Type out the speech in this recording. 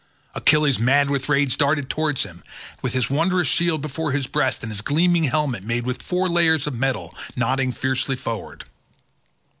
Achilles mad with rage darted towards him, with his wondrous shield before his breast, and his gleaming helmet, made with four layers of metal, nodding fiercely forward.